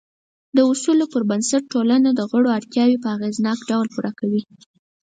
د اصولو پر بنسټ ټولنه د غړو اړتیاوې په اغېزناک ډول پوره کوي.